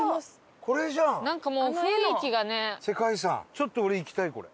ちょっと俺行きたいこれ。